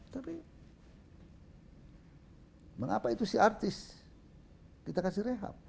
tapi mengapa itu si artis kita kasih rehab